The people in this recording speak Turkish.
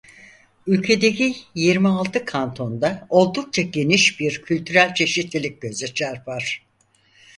Ülkedeki yirmi altı kantonda oldukça geniş bir kültürel çeşitlilik göze çarpar.